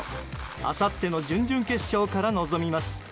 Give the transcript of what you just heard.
あさっての準々決勝から臨みます。